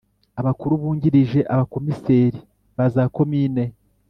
Abakuru bungirije Abakomiseri ba za komine